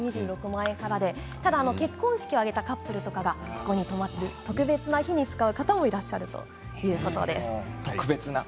結婚式を挙げたカップルとかが泊まるなど特別な日に使う方もいらっしゃるということです。